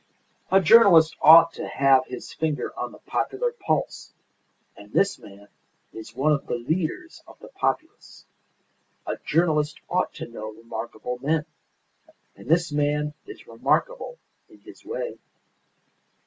"A journalist ought to have his finger on the popular pulse, and this man is one of the leaders of the populace. A journalist ought to know remarkable men and this man is remarkable in his way."